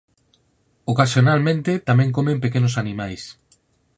Ocasionalmente tamén comen pequenos animais.